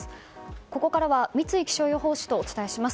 ここからは三井気象予報士とお伝えします。